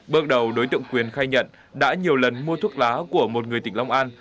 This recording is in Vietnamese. bước đầu đối tượng quyền khai nhận đã nhiều lần mua thuốc lá của một người tỉnh long an